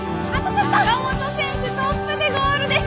坂本選手トップでゴールです！